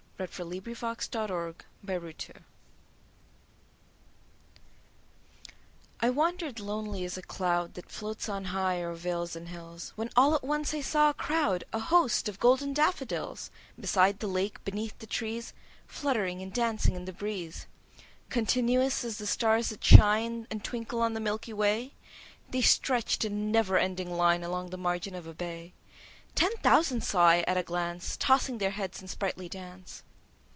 1770–1850 530. Daffodils I WANDER'D lonely as a cloud That floats on high o'er vales and hills, When all at once I saw a crowd, A host, of golden daffodils; Beside the lake, beneath the trees, 5 Fluttering and dancing in the breeze. Continuous as the stars that shine And twinkle on the Milky Way, They stretch'd in never ending line Along the margin of a bay: 10 Ten thousand saw I at a glance, Tossing their heads in sprightly dance.